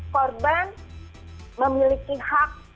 korban memiliki hak